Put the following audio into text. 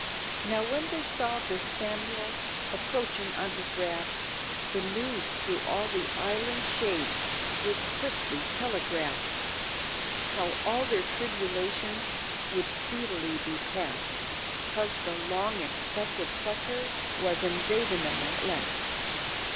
Now when they saw this Samuel approachin' on his raft, The news through all the island shades was quickly telegrapht, How all their tribulations would speedily be past, 'Cos the long expected sucker was invadin' 'em at last.